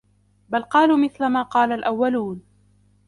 بَلْ قَالُوا مِثْلَ مَا قَالَ الْأَوَّلُونَ